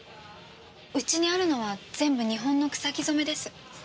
うちにあるのは全部日本の草木染めです。